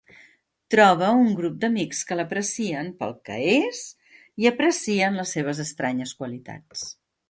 Troba un grup d'amics que l'aprecien pel que és i aprecien les seves estranyes qualitats.